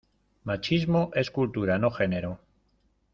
Machismo es cultura no género